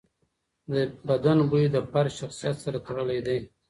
د بدن بوی د فرد شخصیت سره تړلی دی.